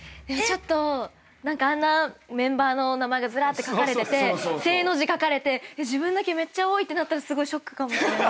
ちょっとあんなメンバーの名前がずらって書かれてて正の字書かれて自分だけめっちゃ多いってなったらすごいショックかも。